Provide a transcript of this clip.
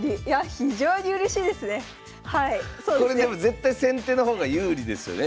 非常にこれでも絶対先手の方が有利ですよね？